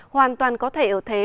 hoàn toàn có thể ở thế